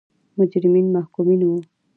مجرمین محکومین وو.